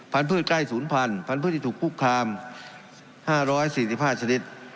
พันธุ์พืชใกล้๐๐๐๐พันธุ์ที่ถูกคลุกคาม๕๔๕ชนิด